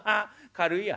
軽いや」。